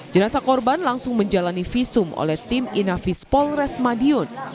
jenasa korban langsung menjalani visum oleh tim inavispol resmadion